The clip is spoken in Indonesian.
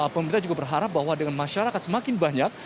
pemerintah juga berharap bahwa dengan masyarakat semakin banyak